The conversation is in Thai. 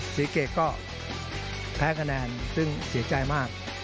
ศรีเกตก็แพ้คะแนนซึ่งเสียใจมาก